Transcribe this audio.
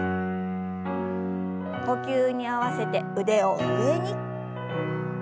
呼吸に合わせて腕を上に。